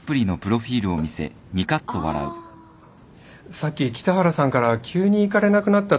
さっき北原さんから急に行かれなくなったと連絡がありまして。